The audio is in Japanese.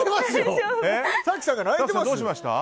どうしました？